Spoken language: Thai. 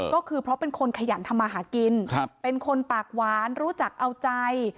ก็คือเพราะเป็นคนขยันทำมาหากินเป็นคนปากหวานรู้จักเอาใจ